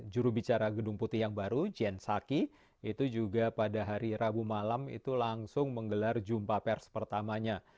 jurubicara gedung putih yang baru jane saki itu juga pada hari rabu malam itu langsung menggelar jumpa pers pertamanya